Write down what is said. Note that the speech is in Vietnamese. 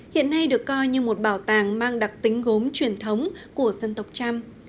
hiện nay được coi như một bảo tàng mang đặc tính gốm truyền thống của dân tộc trăm